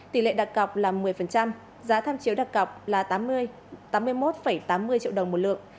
tỷ lệ đặc cọc là một mươi giá tham chiếu đặc cọc là tám mươi một tám mươi triệu đồng một lượng